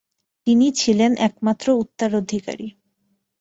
তিনি ছিলেন এক মাত্র উত্তরাধিকারী ।